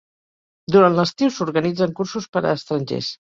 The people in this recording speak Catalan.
Durant l'estiu s'organitzen cursos per a estrangers.